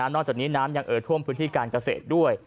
จากนี้น้ำยังเอ่อท่วมพื้นที่การเกษตรด้วย